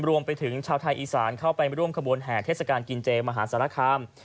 รวมไปถึงชาวไทยอีสานเข้าไปร่วมขบวนแห่เทศกาลกินเจมหาสารคาม